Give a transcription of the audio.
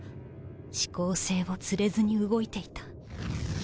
四煌星を連れずに動いていた